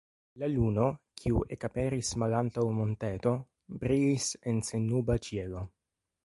La luno, kiu ekaperis malantaŭ monteto, brilis en sennuba ĉielo.